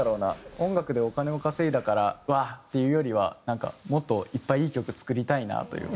音楽でお金を稼いだからうわ！っていうよりはなんかもっといっぱいいい曲作りたいなというか。